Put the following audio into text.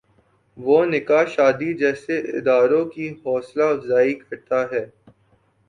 وہ نکاح شادی جیسے اداروں کی حوصلہ افزائی کرتا ہے۔